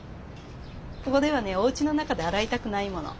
ここではねおうちの中で洗いたくないもの。